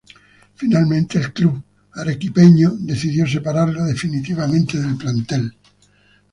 Finalmente, el club arequipeño decidió separarlo definitivamente del plantel.